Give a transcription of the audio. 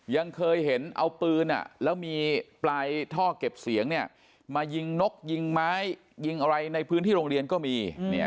ยังเคยเห็นเอาปืนแล้วมีปลายท่อเก็บเสียงมายิงนกยิงไม้ยิงอะไรในพื้นที่โรงเรียนก็มี